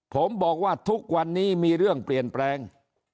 ผมบอกว่าทุกวันนี้มีเรื่องเปลี่ยนแปลง